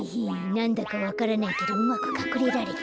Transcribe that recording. なんだかわからないけどうまくかくれられた。